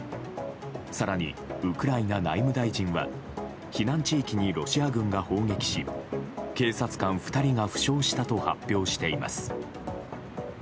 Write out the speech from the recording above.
更に、ウクライナ内務大臣は避難地域にロシア軍が砲撃し、警察官２人が負傷したと発表しています。